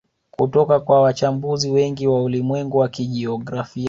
Kutoka kwa wachambuzi wengi wa ulimwengu wa kijiografia